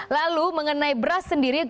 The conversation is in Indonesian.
lalu mengenai beras sendiri